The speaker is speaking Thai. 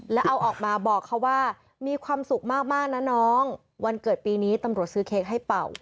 แล้วเอาออกมาบอกเขาว่ามีความสุขมากนะน้องวันเกิดปีนี้ตำรวจซื้อเค้กให้เป่า